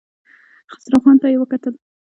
خسرو خان ته يې وکتل.